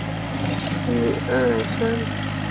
琪亚拉是意大利博科尼大学的法律系学生。